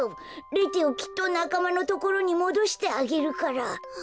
レテをきっとなかまのところにもどしてあげるから。